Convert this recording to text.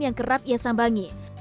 yang kerap ia sambangi